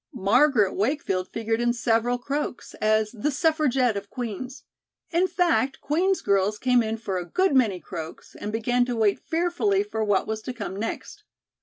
Margaret Wakefield figured in several croaks, as "the Suffragette of Queen's." In fact Queen's girls came in for a good many croaks and began to wait fearfully for what was to come next.